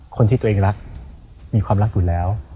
คนที่ตัวเองรักมีความรักอยู่แล้ว